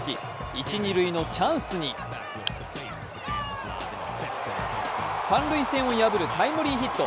一・二塁のチャンスに三塁線を破るタイムリーヒット。